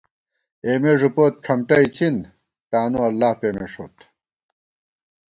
اېمےݫُپوت کھمٹہ اِڅِن ، تانواللہ پېمېݭوت